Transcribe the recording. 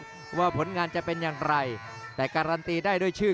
เพชรนั้นเล่นงานมาเวียนฐานลากก่อนนะครับเพชรดำเอาคืน